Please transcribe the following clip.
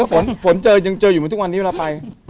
ก็ฝนเจอยังเจออยู่มาทุกวันนี้เวลาไป